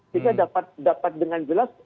kita dapat dengan jelas